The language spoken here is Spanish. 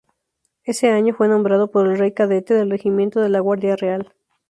Ese año fue nombrado por el rey cadete del regimiento de la Guardia Real.